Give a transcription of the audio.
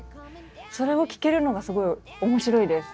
それを聞けるのがすごい面白いです。